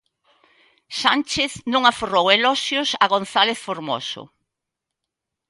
Sánchez non aforrou eloxios a González Formoso.